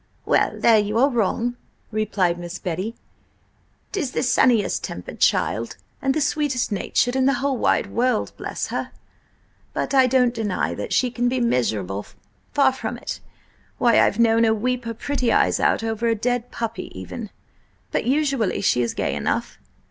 "Well there you are wrong!" replied Miss Betty. "'Tis the sunniest tempered child, and the sweetest natured in the whole wide world, bless her! But I don't deny that she can be miserable. Far from it. Why, I've known her weep her pretty eyes out over a dead puppy even! But usually she is gay enough."